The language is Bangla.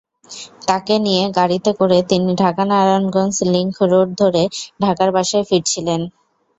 তাঁকে নিয়ে গাড়িতে করে তিনি ঢাকা-নারায়ণগঞ্জ লিংক রোড ধরে ঢাকার বাসায় ফিরছিলেন।